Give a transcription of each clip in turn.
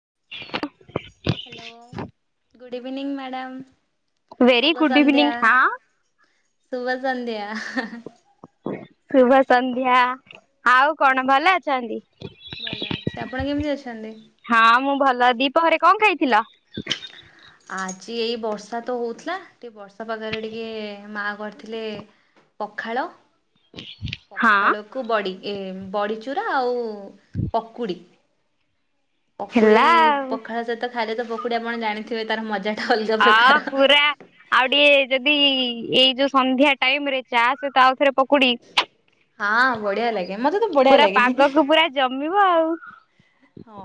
[inaudible] Hello good evening madam. Very good evening ଶୁଭସନ୍ଧ୍ୟା ହଁ ଶୁଭସନ୍ଧ୍ୟା। ଶୁଭ ସନ୍ଧ୍ୟା ଆଉ କଣ ଭଲ ଅଛନ୍ତି? ଭଲ ଅଛି ଆପଣ କେମିତି ଅଛନ୍ତି? ହଁ ମୁଁ ଭଲ ଦ୍ୱିପ୍ରହରେ କଣ ଖାଇଥିଲ? ଆଜି ଏଇ ବର୍ଷା ତ ହଉଥିଲା ଟିକେ ବର୍ଷା ପାଗରେ ଟିକେ ମା କରିଥିଲେ ପଖାଳ। ହଁ ପଖାଳକୁ ବଡି ଏ ବଡିଚୁରା ଆଉ ପକୁଡି। ପକୁଡି ହେଲା ଆଉ ପଖାଳ ସହିତ ଖାଇଲେ ତ ପକୁଡି ଆପଣ ଜାଣିଥିବେ ତାର ମଜା ହଁ ପୁରା ଆଉ ଟିକେ ଯଦି ଏଇ ଯୋଉ ସନ୍ଧ୍ୟା ଟାଇମ ରେ ଚା ସହିତ ଆଉ ଥରେ ପକୁଡି ହଁ ବଢିଆ ଲାଗେ ମତେ ତ ବଢିଆ ପୁରା ଲାଗେ। ପାଗକୁ ପୁରା ଜମିବ ଆଉ ହଁ।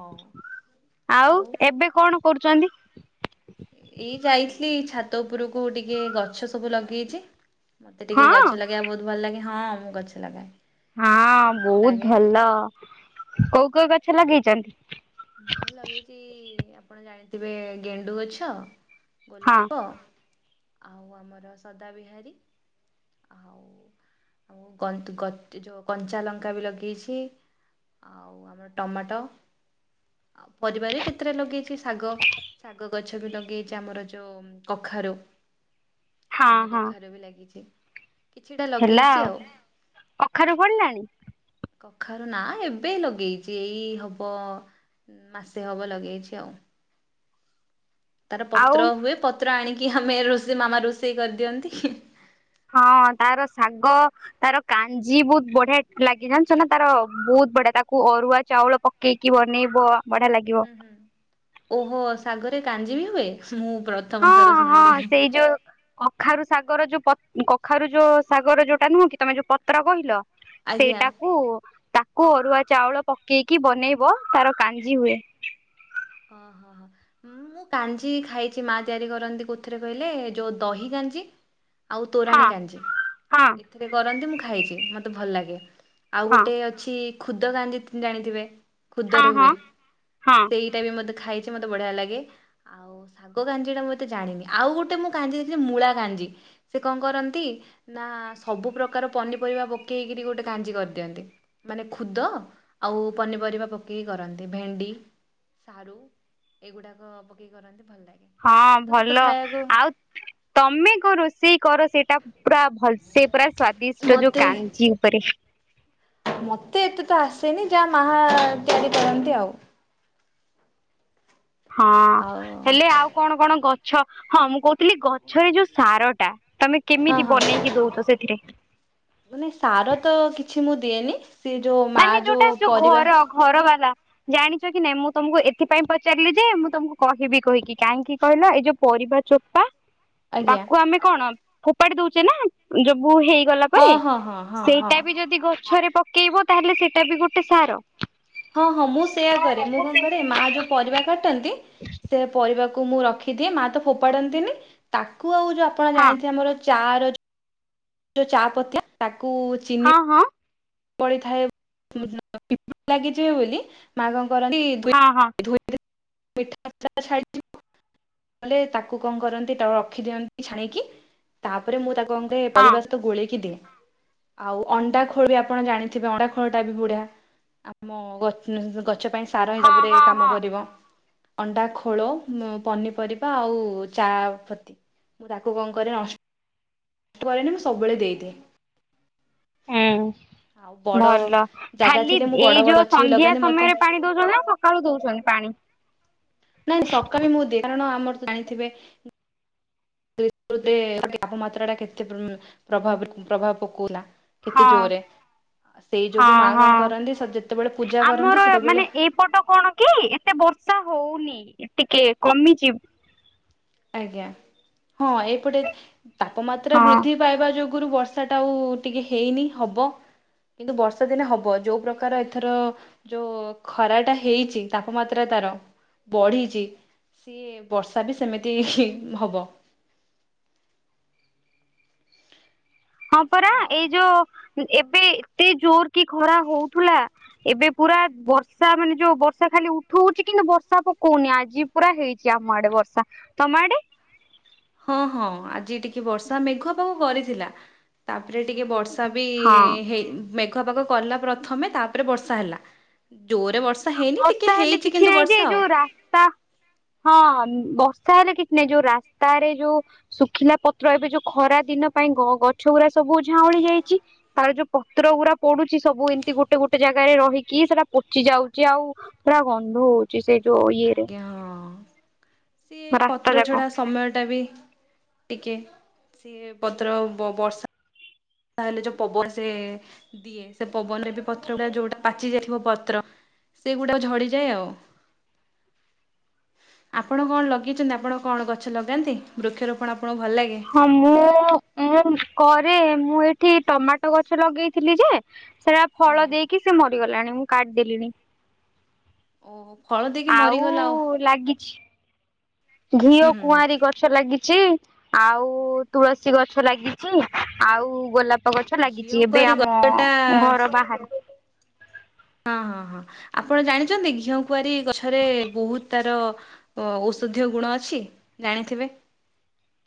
ଆଉ ଏବେ କଣ କରୁଛନ୍ତି? ଏଇ ଯାଇଥିଲି ଛାତ ଉପରକୁ ଟିକେ ଗଛ ସବୁ ଲଗେଇଛି। ମତେ ଟିକେଏ ହଁ ଗଛ ଲଗେଇବା ବହୁତ ଭଲ ଲାଗେ ହଁ ମୁଁ ଗଛ ଲଗାଏ। ହଁ ମତେ ଭଲ ବହୁତ ଲାଗେ। ଭଲ କୋଉ କୋଉ ଗଛ ଲଗେଇଛନ୍ତି? ମୁଁ ଲଗେଇଛି ଆପଣ ଜାଣିଥିବେ ଗେଣ୍ଡୁ ଗଛ ହଁ ଗୋଲାପ ଆଉ ଆମର ସଦା ବିିହାରୀ। ଆଉ ଆଉ [unintelligible] ଯୋଉ କଞ୍ଚା ଲଙ୍କା ବି ଲଗେଇଛି। ଆଉ ଆମର ଟମାଟ ଆଉ ପରିବା ବି କେତେଟା ଲଗେଇଛି ଶାଗ ଶାଗ ଗଛ ବି ଲଗେଇଛି ଆମର ଯୋଉ କଖା ରୁ ହଁ ପାଣି ହଁ କଖାରୁ ବି ଲାଗିଛି। କିଛିଟା ହେଲା ଲଗେଇଛି ଆଉ କଖାରୁ ଫଳିଲାଣି। କଖାରୁ ନା ଏବେ ଲଗେଇଛି ଏଇ ହବ ମାସେ ହବ ଲଗେଇଛି ଆଉ। ତାର ଆଉ ପତ୍ର ହୁଏ ପତ୍ର ଆଣିକି ଆମେ ରୋଷେଇ ମାମା ରୋଷେଇ କରିଦିଅନ୍ତି। ହଁ ତାର ଶାଗ ତାର କାଞ୍ଜି ବହୁତ ବଢିଆ ଲାଗେ ଜାଣିଛ ନା ତାର ବହୁତ ବହୁତ ବଢିଆ ତାକୁ ଅରୁଆ ଚାଉଳ ପକେଇକି ବନେଇବ। ବଢିଆ ଲାଗିବ ହୁଁ ହୁଁ ଓହୋ ଶାଗରେ କାଞ୍ଜି ବି ହୁଏ? ମୁଁ ହଁ ପ୍ରଥମ ଥର ହଁ ଶୁଣିଲି ସେଇ ଯୋଉ କଖାରୁ ଶାଗର ଯୋଉ ପ କଖାରୁ ଯୋଉ ସାଗର ଯୋଉଟା ନୁହଁ କି ତମେ ଯୋଉ ପତ୍ର କହିଲ ଆଜ୍ଞା। ସେଇଟାକୁ ତା କୁ ଅରୁଆ ଚାଉଳ ପକେଇକି ବନେଇବ ତାର କାଞ୍ଜି ହୁଏ। ଓହୋ ହୋ ହ ମୁଁ କାଞ୍ଜି ଖାଇଛି ମା ତିଆରି କରନ୍ତି କଉଥିରେ କହିଲେ ଯୋଉ ଦହି କା ଞ୍ଜି ଆଉ ତୋରାଣୀ ହଁ କାଞ୍ଜୀ ହଁ ଏଥିରେ କରନ୍ତି ମୁଁ ଖାଇଛି ମତେ ଭଲ ଲାଗେ। ଆଉ ହଁ ଗୋଟେ ଅଛି ଖୁଦ କାଞ୍ଜି ଜାଣିଥିବେ ହଁ ଖୁଦରେ ହୁଏ ହଁ ହଁ ସେଇ ଟା ମୋତେ ଖାଇଛି ମତେ ବଢିଆ ଲାଗେ ଆଉ ଶାଗ କାଞ୍ଜି ଟା ମୁ ଏତେ ଜାଣିନି ଆଉ ଗୋଟେ ମୁଁ କାଞ୍ଜି ଦେଖିଚି ମୁଁ ଳା କାଞ୍ଜୀ ସେ କଣ କରନ୍ତି ନା ସବୁ ପ୍ରକାର ପନିପରିବା ପକେଇକି ଗୋଟେ କାଞ୍ଜୀ କରି ଦିଅନ୍ତି ମାନେ ଖୁଦ ଆଉ ପନିପରିବା ପକେଇକି କରନ୍ତି ଭେଣ୍ଡି। ସାରୁ ଏଇଗୁଡାକ ପକେଇ କରନ୍ତି। ଭଲ ଲାଗେ ହଁ ଭାତ ସହିତ ଭଲ ଖାଇବାକୁ ଆଉ ତମେ କଣ ରୋଷେଇ କର ସେଇଟା ପୁରା ଭଲସ ସେ ପୁରା ସ୍ଵାଦିଷ୍ଟ ଯୋଉ ମତେ କଞ୍ଜି ଉପରେ ମତେ ଏତେ ତ ଆସେନି ଯାହା ମାହା ତିଆରି କରନ୍ତି ଆଉ। ହଁ ଆଉ ହେଲେ ଆଉ କଣ କଣ ଗଛ ହଁ ମୁଁ କହୁ ଗଛରେ ଯୋଉ ସାର ଟା ତମେ ହଁ କେମିତି ହଁ। ବନେଇକି ଦଉଛ ସେଥିରେ? ମାନେ ସାର ତ କିଛି ମୁ ମାନେ ଯୋଉଟା ଯୋଉ ପରିବା ଘର ଘର ବାଲା। ଜାଣିଛ କି ନାଇଁ ମୁଁ ତମକୁ ଏଥିପାଇଁ ପଚାରିଲି ଯେ ମୁଁ ତମକୁ କହିବି କହିକି କାହିଁକି କହିଲ ଏଇ ଯୋଉ ପ ରିବା ଚୋପା ଆଜ୍ଞା ତାକୁ ଆମେ କଣ ଫୋପାଡି ଦଉଛେ ନା ଯୋଉ ସବୁ ହେଇଗଲା ହଁ ପରେ ହଁ ହଁ ହଁ ହଁ ସେଇଟା ବି ଯଦି ଗଛରେ ପକେଇବ ତାହେଲେ ସେଇଟା ବି ଗୋଟେ ସାର। ହଁ ହଁ ମୁଁ ସେୟା କରେ ମୁଁ କଣ କରେ ମା ଯୋଉ ପରିବା କାଟନ୍ତି ସେ ପରିବା କୁ ମୁଁ ରଖିଦିଏ ମା ତ ଫୋପାଡନ୍ତିନି ତାକୁ ଆଉ ଯୋଉ ଆପଣ ହଁ ଜାଣିଥିବେ ଆମର ଚା ର ଯଉ ଚା ପତଆ ତାକୁ ଚିନି ହଁ ହଁ ପଡିଥାଏ ଲାଗିଯିବେ ବୋଲି ମା କଣ ରନ୍ତି ହଁ ହଁ [unintelligible] ଲେ ତାକୁ କଣ କରନ୍ତି ତା ରଖିଦିଅନ୍ତି ଛାଣିକି ତାପରେ ମୁଁ ତାକୁ କଣ ହଁ ପରିବା ସହିତ ଗୋଳେଇକି ଦିଏ ଆଉ ଅଣ୍ଡା ଖୋଳରେ ଆପ ଆପଣ ଜାଣିଥିବେ ଅଣ୍ଡା ଖୋଳଟାବି ବୁଢିଆ ଆମ ଗ, ଗ ଗଛ ପାଇଁ ସାର ହଁ ହିସାବରେ ହଁ ହଁ କାମ ହଁ କରିବ। ଅଣ୍ଡା ଖୋଳ ପନିପରିବା ଆଉ ଚାପତି ମୁଁ ତାକୁ କଣ କରେ ନଷ୍ଟ କରେନି ମୁଁ ସବୁବେଳେ ଦେଇଦିଏ। ହୁଁ ଆଉ ବଡ଼ ଭଲ ଜାଗା ଖାଲି ଥିଲେ ମୁଁ ଏଇ ବଡ଼ ବଡ଼ ଯୋଉ ଗଛ ବି ସନ୍ଧ୍ୟା ଲଗାନ୍ତି ମତେ ସମୟରେ ପାଣି ଦଉଛନ୍ତି ନା ସକାଳୁ ଦଉଛନ୍ତି ପାଣି। ନାଇଁ ସକାଳେ ମୁଁ ଦିଏ କାରଣ ଆମର ତ ଜାଣିଥିବେ ତାପମାତ୍ରା ଟା କେତେପ ପ୍ରଭାବ ପକୋଉଥିଲା। କେତେ ହଁ। ଜୋରେ। ହଁ ହଁ ଯେତେବେଳେ ପୂଜା କରନ୍ତି ଆମର ସେତେବେଳେ ମାନେ ଏଇପଟ କଣ କି ଏତେ ବ ବର୍ଷା ହଉନି ଟିକେ କମିଯି ଆଜ୍ଞା ହଁ ଏପଟେ ତାପମାତ୍ରା ହଁ ବୃଦ୍ଧି ପାଇବା ଯୋଗୁ ଆଗରୁ ବର୍ଷା ଟା ଆଉ ଟିକେ ହେଇନି ହବ। କିନ୍ତୁ ବର୍ଷା ଦିନେ ହବ ଯୋଉ ପ୍ରକାର ଏଥର ଯୋଉ ଖରାଟା ହେଇଛି ତାପମାତ୍ରା ତା ତାର ବଢିଛି ସିଏ ବର୍ଷା ବି ସେମି ତି ହବ ହଁ ପରା ଏଇ ହଉ ଯୋଉ ଏବେ ଏତେ ଜୋର କି ଖରା ହଉଥୁଲା ଏବେ ପୁରା ବର୍ଷା ମାନେ ଯୋଉ ବର୍ଷା ଖାଲି ଉଠଉଛି କିନ୍ତୁ ବର୍ଷା ପକୋଉନି ଆଜି ପୁରା ହେଇଚି ଆମ ଆଡ଼େ ବର୍ଷା ତମେ ଆଡ଼େ। ହଁ ହଁ ଆଜି ଟିକେ ବର୍ଷା ମେଘୁଆ ପାଗ କରିଥିଲା ତାପରେ ଟିକେ ବର୍ଷା ବର୍ଷା ବି ହଁ ହେଇନି ମେଘୁଆ ପାଗ କଲା ପ୍ରଥମେ ତାପରେ ବର୍ଷା ହେଲା ଜୋରେ ବ ବର୍ଷା ହେଲେ କିଛି ନାହିଁ ଯେ ଏଇ ଯୋଉ ରାସ୍ତା ହଁ ବ ବର୍ଷା ହେଲେ କିଛି ନାଇଁ ଯୋଉ ରାସ୍ତାରେ ଯୋଉ ଶୁଖିଲା ପତ୍ର ଏବେ ଯୋଉ ଖରା ଦିନ ପାଇଁ ଗଛ ଗୁଡ଼ା ସବୁ ସବୁ ଝାଉଁଳି ଯାଇଚି ତାର ଯୋଉ ପତ୍ର ଗୁଡ଼ା ପଡ଼ୁଚି ସବୁ ଏମିତି ଗୋଟେ ଗୋଟେ ଜାଗାରେ ରହିକି ସେଟା ପ ପଚି ଯାଉଚି ଆଉ ପୁରା ଗନ୍ଧ ହଉଚି ସେଇ ଆଜ୍ଞା ହଁ। ସିଏ ରାସ୍ତା ପତ୍ର ଯାକ ଛଡା ସମୟଟା ବି। ଟିକିଏ ସିଏ ପତ୍ର ବ, ବର୍ଷା ତାହେଲେ ଯୋଉ ପବନ ସେ ଦିଏ ସେ ପବନରେ ବି ପତ୍ର ଗୁଡ଼ା ଯୋଉଟା ପାଚି ଯାଇଥିବ ପତ୍ର ସେଗୁଡାକ ପଡ଼ିଯାଏ ଆଉ। ଆପଣ କଣ ଲଗେଇଛନ୍ତି ଆପଣ କଣ ଗଛ ଲଗାନ୍ତି ବୃକ୍ଷରୋପଣ ଆପଣଙ୍କୁ ଭଲ ଲାଗେ? ହଁ ମୁଁଁ ମୁଁ କ ରେ ମୁଁ ଏଠି ଟମାଟୋ ଗଛ ଲଗେଇଥିଲି ଯେ ସେଟା ଫଳ ଆଜ୍ଞା ଦେଇକି ସେ ମ ମରି ଗଲାଣି ମୁଁ କାଟିଦେଲିଣି। ଓହୋ ଫଳ ଦେଇକି ଆଉ ମରିଗଲା ଲାଗିଛି। ଘିଅ ହୁଁ ହୁଁ। କୁଆଁରୀ ଗଛ ଲାଗିଚି। ଆଉ ତୁଳସୀ ଗଛ ଲାଗିଚି ଆଉ ଗୋଲାପ ଗଛ ଘିଅ ଲାଗିଚି ଏବେ କୁଆଁରୀ ଆମ ଗଛଟା ଘର ବାହାରେ। ହଁ ହଁ ହଁ ଆପଣ ଜାଣିଛନ୍ତି ଘିଅ କୁଆରୀ ଗଛରେ ବହୁତ ତାର ଅ, ଓ ଔଷଧୀୟ ଗୁଣ ଅଛି ଜାଣିଥିବେ।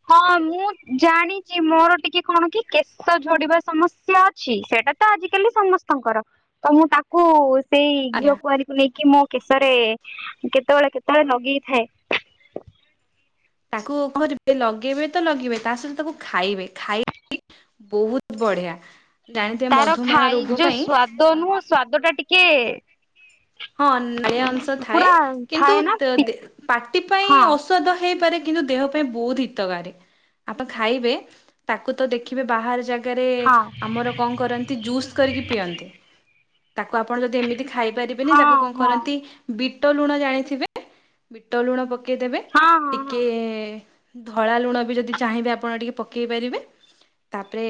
ହଁ ମୁଁ ଜାଣିଚି ମୋର ଟିକେ କଣ କି କେଶ ଝଡିବା ସମସ୍ୟା ଅଛି ସେଇଟା ତ ଆଜି କାଲି ସମସ୍ତଙ୍କର ତ ମୁଁ ତାକୁ ସେଇ ଘିଅ ଆଜ୍ଞା କୁଆଁରୀ କୁ ନେଇକି ମୋ କେଶରେ କେତେବେଳେ କେତେବେଳେ ଲଗେଇଥାଏ। ତାକୁ କଣ କରିବେ ଲଗେଇବେ ତ ଲଗେଇବେ ତା ସହିତ ତାକୁ ଖାଇବେ ଖାଇକି ବହୁତ ବଢ଼ିଆ। ତାର ଖାଇ ଯୋଉ ସ୍ଵାଦ ନୁହଁ ସ୍ଵାଦ ଟା ଟିକେ ହଁ ନାଳିଆ ଅଂଶ ଥାଏ ପୁରା କିନ୍ତୁ ଥାଏ ନା ତ, ଦେ, ପାଟି ପାଇଁ ହଁ ଔଷାଧ ହେଇପାରେ କିନ୍ତୁ ଦେହ ପାଇଁ ବହୁତ ହିତକାରୀ ଆପଣ ଖାଇବେ ତାକୁ ତ ଦେଖିବେ ବାହାରେ ଯା ଗରେ ହଁ ଆମର କଣ କରନ୍ତି ଜୁସ୍ କରିକି ପିଅନ୍ତି। ତାକୁ ଆପଣ ଯଦି ଏମିତି ଖାଇପାରିବେନି ହଁ ତାକୁ କଣ ହଁ ହଁ କରନ୍ତି ବି ବିଟ ଲୁଣ ଜାଣିଥିବେ ବିଟ ଲୁଣ ପକେଇଦେବେ ହଁ ହଁ ହଁ ଟିକେ-ଏ-ଏ-ଏ ଧଳା ଲୁଣ ବି ଯଦି ଚାହିଁବେ ଆପଣ ଟିକେ ପକେଇ ପାରିବେ ତା ତାପରେ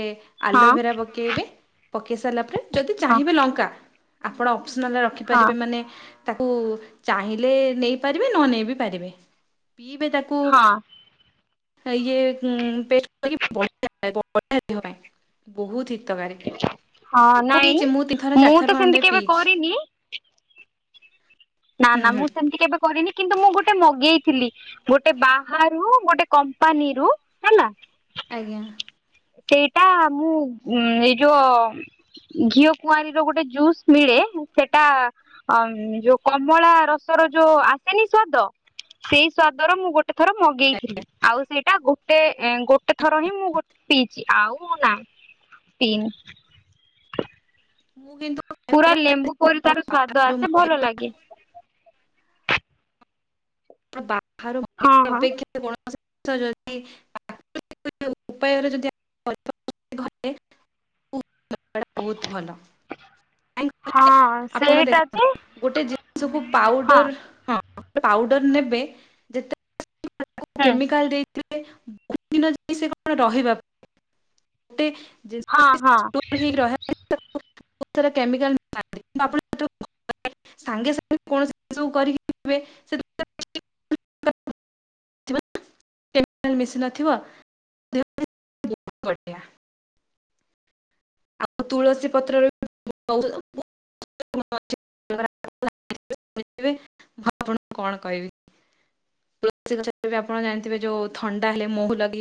ହଁ ଆଲୋଭେରା ପକେଇବେ ପକେଇ ସାରିଲା ପରେ ଯଦି ହଁ ଚାହିଁବେ ଲଙ୍କା ଆପଣ ଅପସନାଲରେ ହଁ ରଖିପାରିବେ ମାନେ ତାକୁ ଚାହିଁଲେ ନେଇ ପାରିବେ ନ ନେଇ ବିି ପାରିବେ। ପିଇବେ ତାକୁ ହଁ ଇଏ [inaudible] ଦେହ ପାଇଁ ବହୁତ ହି। ହିତକାରି ହଁ ମୁଁ ନାଇଁ ପିଇଛି ମୁଁ ତିନଥର ତ ଚାରିଥର ସେମିତି ଖଣ୍ଡେ କେବେ ପିଇଛି। କରିନି ନା ହୁଁ ନା ହୁଁ ମୁଁ ସେମିତି କେବେ କରିନି। କିନ୍ତୁ ମୁଁ ଗୋଟେ ମଗେଇଥିଲି ଗୋଟେ ବାହାରୁ ଗୋଟେ କମ୍ପାନୀରୁୁ ହେଲା ଆଜ୍ଞା। ସେଇଟା ମୁଁ ଉ ଏଇ ଯୋଉ ଘିଅ କୁଆଁରୀ ର ଗୋଟେ ଜୁସ୍ ମିଳେ ସେଟା ଆମ୍-ମ୍-ମ୍ ଯୋଉ କମଳା ରସ ର ଯୋଉ ଆସେନି ସ୍ଵାଦ ସେଇ ସ୍ଵାଦର ମୁଁ ଗୋଟେ ଗୋଟେ ଥର ମଗେଇଥିଲି ଆଉ ସେଇଟା ଗୋଟେ ଏ ଗୋଟେ ଥର ହିଁ ମୁଁ ଗୋଟେ ପିଇଛି ଆଉ ନା ପିଇନି। ମୁଁ ପୁରା ଲେମ୍ବୁ ପରି ତାର କିନ୍ତୁ ସ୍ଵାଦ ଆସେ ଭଲ ଲାଗେ। ହଁ [inaudible] ହଁ। ଉପାୟରେ ଯଦି [inaudible] ଏଇଟା ବହୁତ ଭଲ। କାହିଁକି କହିଲେ ହଁ ଆପଣ ସେଇଟା ଯେ ଦେଖନ୍ତୁ ଗୋଟେ ଜିନିଷକୁ ହଁ ପାଉଡର ହଁ ପାଉଡର ନେବେ ଯେତ [inaudible] ହୁଁ କେମିକାଲ ଦେଇ ବହୁତ ଦିନ ଯାଇ ସେ କଣ ରହିବା [inaudible] ପାଇଁତେ ହଁ ହଁ। ବହୁତ ସାରା କେମିକାଲ [inaudible] ସାଙ୍ଗେ ସାଙ୍ଗେ କୌଣସି ସୁ କରିକି [inaudible] [inaudible] କେମିକାଲ ମିଶି ନଥିବା [inaudible] [inaudible] ବଢିଆ। ଆଉ ତୁଳସୀ ପତ୍ରରେ [inaudible] [inaudible] ମୁଁ ଆପଣଙ୍କୁ କଣ କହିବି। ତୁଳସୀ ଗଛ ଆପଣ ଜାଣିଥିବେ ଯୋଉ ଥଣ୍ଡା ହେଲେ ମହୁ ଲଗେଇ